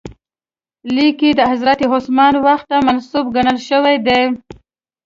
لیک یې د حضرت عثمان وخت ته منسوب ګڼل شوی دی.